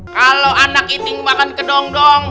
kalau anak itik makan kedong dong